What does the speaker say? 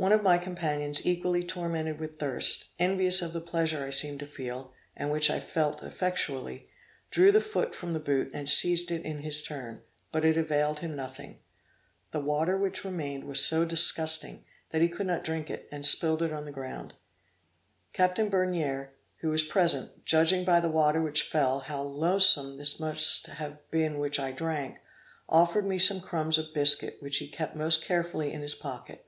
One of my companions equally tormented with thirst, envious of the pleasure I seemed to feel, and which I felt effectually, drew the foot from the boot, and seized it in his turn, but it availed him nothing. The water which remained was so disgusting, that he could not drink it, and spilled it on the ground. Captain Begnere, who was present, judging, by the water which fell, how loathsome must that have been which I had drank, offered me some crumbs of biscuit, which he had kept most carefully in his pocket.